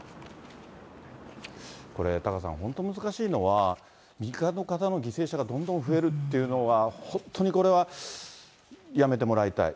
これタカさん、本当難しいのは、民間の方の犠牲者が増えるっていうのは、本当にこれはやめてもらいたい。